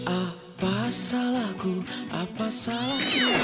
apa salahku apa salahku